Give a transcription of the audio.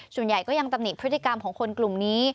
ส่วนใหญ่ก็ยังตำหนิพฤติกรรมของคนกลุ่มนี้